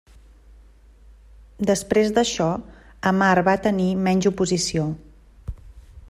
Després d'això Amar va tenir menys oposició.